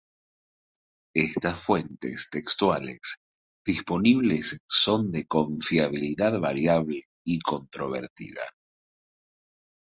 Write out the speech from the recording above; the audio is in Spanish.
Estas fuentes textuales disponibles son de confiabilidad variable y controvertida.